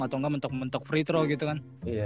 atau engga mentok mentok free throw gitu kan